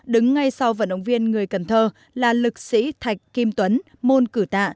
đứng ngay sau vận động viên người cần thơ là lực sĩ thạch kim tuấn môn cử tạ